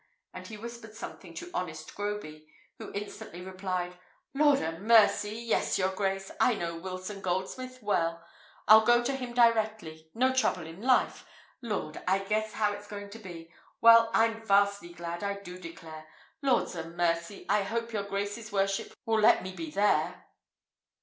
and he whispered something to honest Groby, who instantly replied, "Lord 'a mercy! yes, your grace! I know Wilson Goldsmith well; I'll go to him directly; no trouble in life. Lord! I guess how it's going to be. Well, I'm vastly glad, I do declare. Lord 'a mercy! I hope your grace's worship will let me be there!"